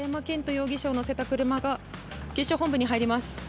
容疑者を乗せた車が警視庁本部にはいります。